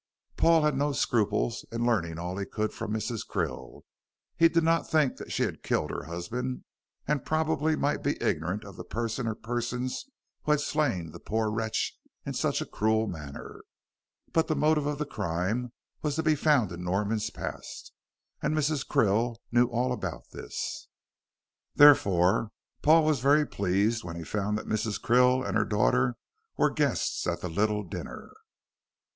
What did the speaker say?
Paul had no scruples in learning all he could from Mrs. Krill. He did not think that she had killed her husband, and probably might be ignorant of the person or persons who had slain the poor wretch in so cruel a manner. But the motive of the crime was to be found in Norman's past, and Mrs. Krill knew all about this. Therefore, Paul was very pleased when he found that Mrs. Krill and her daughter were the guests at the little dinner.